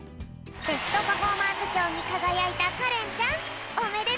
ベストパフォーマンスしょうにかがやいたかれんちゃんおめでとう！